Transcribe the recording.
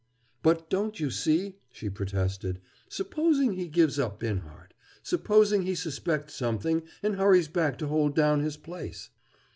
"But don't you see," she protested, "supposing he gives up Binhart? Supposing he suspects something and hurries back to hold down his place?"